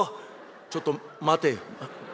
「ちょっと待てよ」。